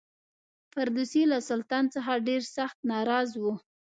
فردوسي له سلطان څخه ډېر سخت ناراض و.